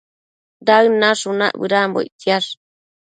Daëd nashunac bëdanbo ictsiash